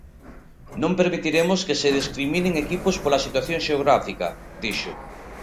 "Non permitiremos que se discriminen equipos pola situación xeográfica", dixo.